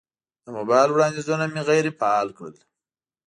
د موبایل وړاندیزونه مې غیر فعال کړل.